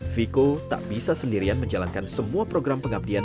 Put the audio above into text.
viko tak bisa sendirian menjalankan semua program pengabdian